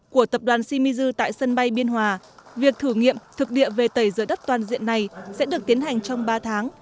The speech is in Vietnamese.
của tập đoàn shimizu tại sân bay biên hòa việc thử nghiệm thực địa về tẩy rửa đất toàn diện này sẽ được tiến hành trong ba tháng